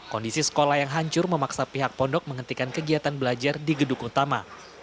kondisi sekolah yang hancur memaksa pihak pondok menghentikan kegiatan belajar di gedung utama